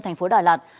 thành phố đà lạt